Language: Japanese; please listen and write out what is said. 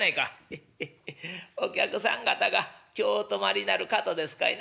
「ヘッヘッヘッお客さん方が今日お泊まりになる方ですかいな？」。